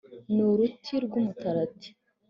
ni uruti rw’umutarati